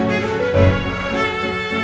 gimana kita akan menikmati rena